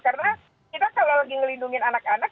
karena kita kalau lagi ngelindungi anak anak